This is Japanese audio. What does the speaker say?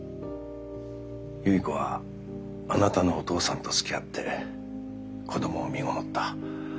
有依子はあなたのお父さんと好き合って子供をみごもった。